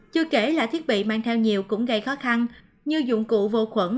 chưa kể là thiết bị mang theo nhiều cũng gây khó khăn như dụng cụ vô khuẩn